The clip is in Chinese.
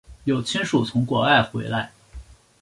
有亲属从国外回来